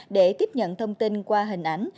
để tiếp nhận thông tin qua hình ảnh